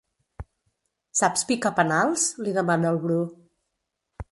Saps picar penals? —li demana el Bru.